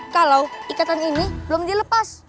kalau ikatan ini belum dilepas